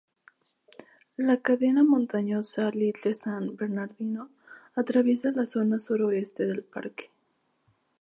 La cadena montañosa "Little San Bernardino" atraviesa la zona suroeste del parque.